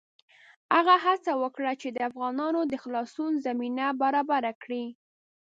هغه هڅه وکړه چې د افغانانو د خلاصون زمینه برابره کړي.